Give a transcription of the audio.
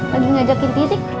tadi ngajakin titik